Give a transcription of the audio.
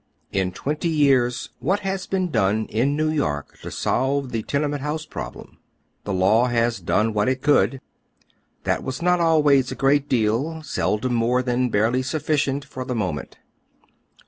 TTN twenty years what has been done in New Tork to ■ solve the tenement house problem ? The law has done what it could. That was not always a great deal, seldom more than barely sufficient for the moment.